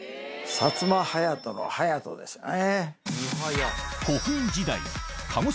薩摩隼人の「隼人」ですね。